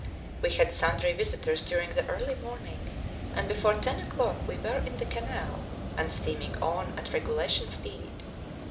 We had sundry visitors during the early morning, and before ten o'clock we were in the Canal and steaming on at regulation speed.